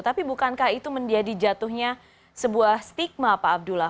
tapi bukankah itu menjadi jatuhnya sebuah stigma pak abdullah